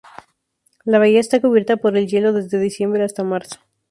La bahía está cubierta por el hielo desde diciembre hasta marzo.